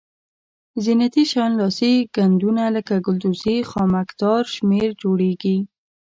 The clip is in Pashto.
زینتي شیان لاسي ګنډونه لکه ګلدوزي خامک تار شمېر جوړیږي.